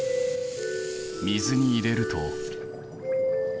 水に入れると。